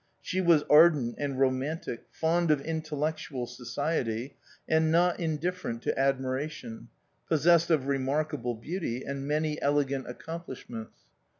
She was ardent and romantic, fond of intellectual society, and not indifferent to admiration, possessed of remarkable beauty and many elegant THE OUTCAST. 57 accomplishments.